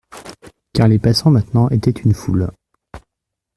Car les passants maintenant étaient une foule.